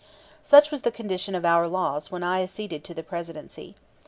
Such was the condition of our laws when I acceded to the Presidency.